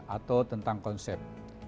atau tentang konsep